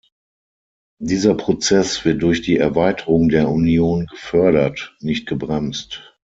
Dieser Prozess wird durch die Erweiterung der Union gefördert, nicht gebremst.